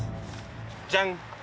じゃん！